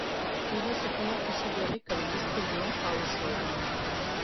Il est cependant considéré comme discriminant par les sourds.